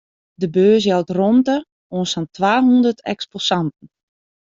De beurs jout romte oan sa'n twahûndert eksposanten.